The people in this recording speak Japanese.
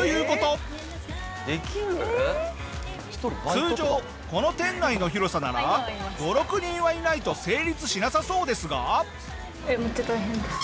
通常この店内の広さなら５６人はいないと成立しなさそうですが。